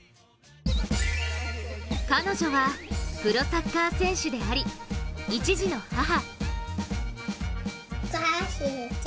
彼女はプロサッカー選手であり一児の母。